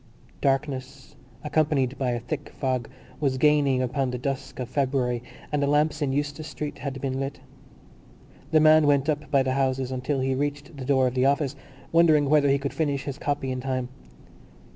Darkness, accompanied by a thick fog, was gaining upon the dusk of February and the lamps in Eustace Street had been lit. The man went up by the houses until he reached the door of the office, wondering whether he could finish his copy in time.